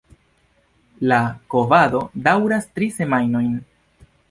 La kovado daŭras tri semajnojn.